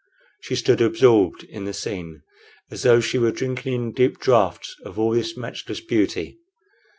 She stood absorbed in the scene, as though she were drinking in deep draughts of all this matchless beauty.